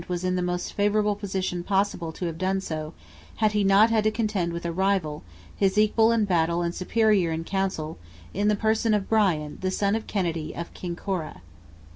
was in the most favourable position possible to have done so, had he not had to contend with a rival, his equal in battle and superior in council, in the person of Brian, the son of Kennedy, of Kincorra.